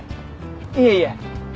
いえいえ！